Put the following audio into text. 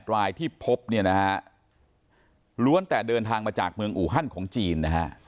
รายที่พบเนี่ยนะฮะล้วนแต่เดินทางมาจากเมืองอูฮันของจีนนะฮะ